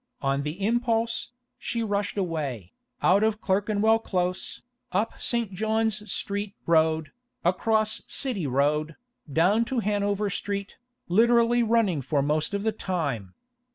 On the impulse, she rushed away, out of Clerkenwell Close, up St. John Street Road, across City Road, down to Hanover Street, literally running for most of the time.